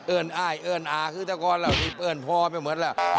เอิญอ้ายเอิญอาคือแต่ก่อนเราทิพย์เอิญพ่อไม่เหมือนแหละ